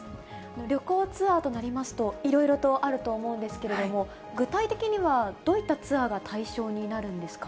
旅行ツアーとなりますと、いろいろとあると思うんですけれども、具体的にはどういったツアーが対象になるんですか。